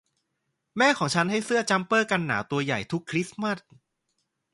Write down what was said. แม่ของฉันให้เสื้อจัมเปอร์กันหนาวตัวใหม่ทุกคริสต์มาส